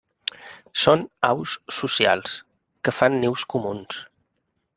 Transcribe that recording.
Són aus socials, que fan nius comunals.